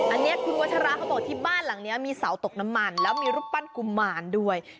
อันนี้คุณวัชราเขาบอกที่บ้านหลังนี้มีเสาตกน้ำมันแล้วมีรูปปั้นกุมารด้วย